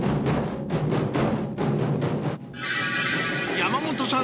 山本さん